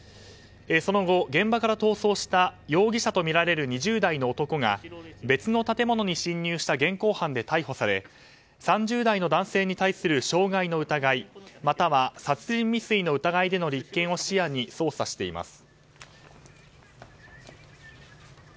その後、現場から逃走した容疑者とみられる２０代の男が別の建物に侵入した現行犯で逮捕され３０代の男性に対する傷害の疑いまたは殺人未遂の疑いでの立件を視野に捜査しています。